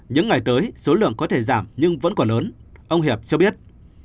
những ngày tới số lượng có thể giảm nhưng vẫn còn lớn ông hiệp cho biết